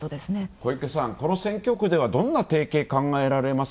小池さん、この選挙区ではどの提携、考えられます？